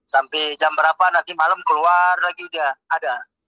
sampai jam berapa nanti malam keluar lagi dia ada